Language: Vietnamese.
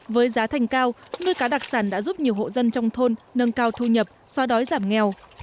với giá thành cao nuôi cá đặc sản đã giúp nhiều hộ dân trong thôn nâng cao thu nhập xóa đói giảm nghèo